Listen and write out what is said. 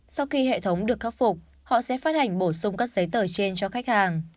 sau khi hệ thống được khắc phục họ sẽ phát hành bổ sung các giấy tờ trên cho khách hàng